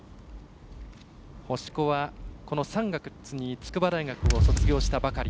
星子は３月に筑波大学を卒業したばかり。